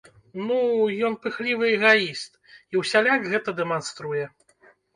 Ну, ён пыхлівы эгаіст, і ўсяляк гэта дэманструе.